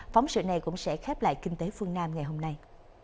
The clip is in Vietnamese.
phóng sự này cũng sẽ khép lại kinh tế phương nam ngày hôm nay